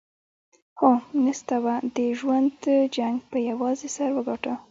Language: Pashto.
هو، نستوه د ژوند جنګ پهٔ یوازې سر وګاټهٔ!